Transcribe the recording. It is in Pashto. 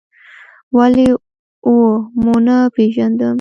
ولې و مو نه پېژندم؟